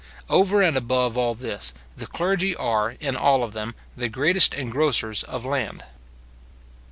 Over and above all this, the clergy are, in all of them, the greatest engrossers of land.